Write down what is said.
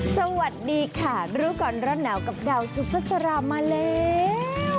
สวัสดีค่ะรุ้วก่อนราดนาวกับดาวซุฟย์ศรามาแล้ว